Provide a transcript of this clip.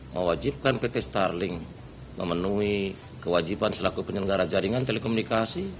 mewajibkan pt starling memenuhi kewajiban selaku penyelenggara jaringan telekomunikasi